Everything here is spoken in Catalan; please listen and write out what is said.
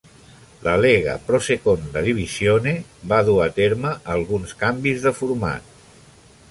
La Lega Pro Seconda Divisione va dur a terme alguns canvis de format.